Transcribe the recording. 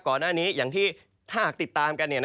ก่อนหน้านี้อย่างที่ถ้าหากติดตามกัน